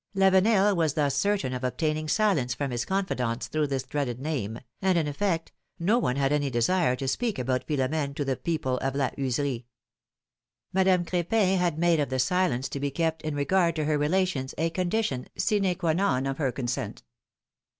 Lavenel was thus certain of obtaining silence from his confidants through this dreaded name, and, in effect, no one had any desire to speak about Philom^ne to the people of La Heuserie." Madame Crepin had made of the silence to be kept in regard to her relations a condition sine qua non of her consent.